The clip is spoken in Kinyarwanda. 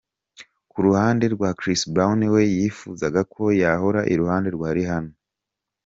Ku ruhande rwa Chris Brown we yifuzaga ko yahora iruhande rwa Rihanna.